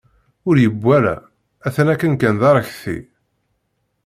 Ur yewwa ara, atan akken kan d arekti.